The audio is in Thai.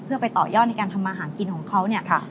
เพื่อไปต่อยอดในการทำมาหากินของเขาเนี่ย